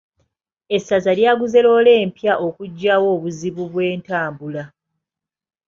Esaza lyaguze loole empya okugyawo obuzibu bw'entambula.